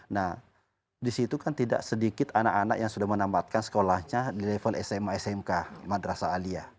nah disitu kan tidak sedikit anak anak yang sudah menampatkan sekolahnya di level sma smk madrasa alia